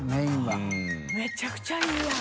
めちゃくちゃいいわ。